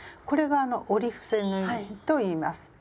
これが「折り伏せ縫い」といいます。